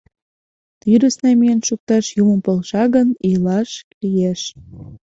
Тӱрыс намиен шукташ юмо полша гын, илаш лиеш.